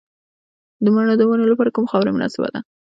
د مڼو د ونو لپاره کومه خاوره مناسبه ده؟